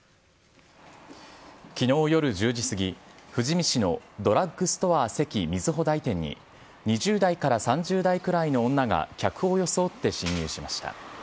きのう夜１０時過ぎ、富士見市のドラッグストアセキみずほ台店に２０代から３０代くらいの女が客を装って侵入しました。